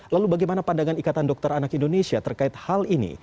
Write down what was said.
lalu bagaimana pandangan ikatan dokter anak indonesia terkait hal ini